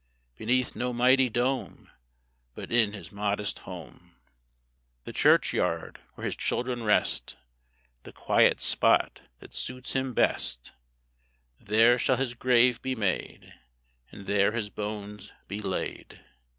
Beneath no mighty dome, But in his modest home; The churchyard where his children rest, The quiet spot that suits him best, There shall his grave be made, And there his bones be laid.